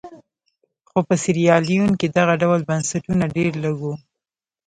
خو په سیریلیون کې دغه ډول بنسټونه ډېر لږ وو.